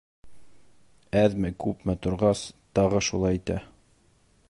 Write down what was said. Әҙме-күпме торғас, тағы шулай итә.